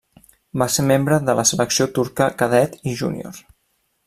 Va ser membre de la selecció turca cadet i júnior.